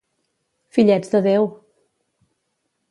Fillets de Déu!